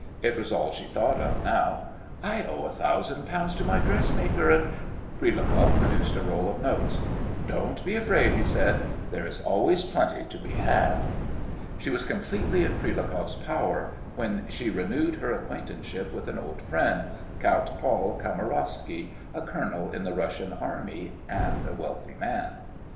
It was all she thought of now. "I owe a thousand pounds to my dressmaker, and " Prilukoff produced a roll of notes. "Don't be afraid," he said, "there is always plenty to be had." She was completely in Prilukoff's power when she renewed her acquaintanceship with an old friend, Count Paul Kamarowsky, a colonel in the Russian Army, and a wealthy man.